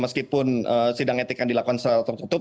meskipun sidang etik yang dilakukan selalu tertutup